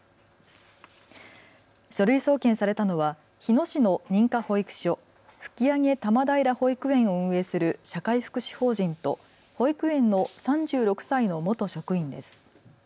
書類送検されたのは日野市の認可保育所、吹上多摩平保育園を運営する社会福祉法人と保育園の３６歳の元職員です。